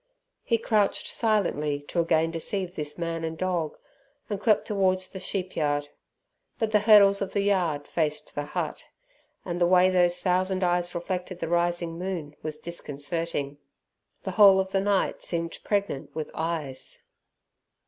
He crouched silently to again deceive this man and dog, and crept towards the sheepyard. But the hurdles of the yard faced the hut, and the way those thousand eyes reflected the rising moon was disconcerting. The whole of the night seemed pregnant with eyes.